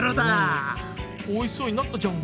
おいしそうになったじゃん。